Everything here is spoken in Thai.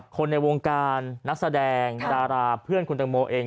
คนในวงการนักแสดงดาราเพื่อนคุณตังโมเอง